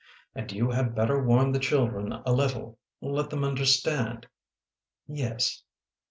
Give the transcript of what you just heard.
And you had better warn the children a little, let them understand." " Yes."